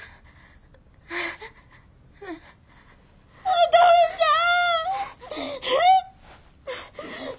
お父ちゃん！